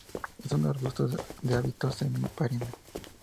Es un arbusto de hábito semi-perenne.